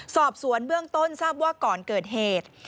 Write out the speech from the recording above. สอบสวนเบื้องต้นทราบว่าก่อนเกิดเหตุ